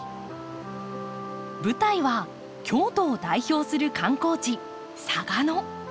舞台は京都を代表する観光地嵯峨野。